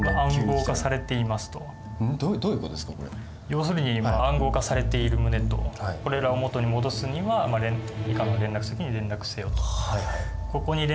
要するに暗号化されている旨とこれらを元に戻すには以下の連絡先に連絡せよと。